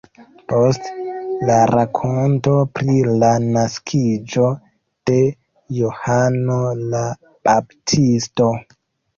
Post la rakonto pri la naskiĝo de Johano la Baptisto.